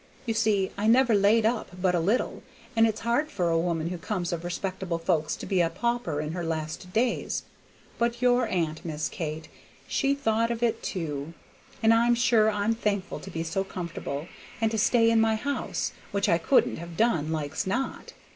You see I never laid up but a little, and it's hard for a woman who comes of respectable folks to be a pauper in her last days; but your aunt, Miss Kate, she thought of it too, and I'm sure I'm thankful to be so comfortable, and to stay in my house, which I couldn't have done, like's not.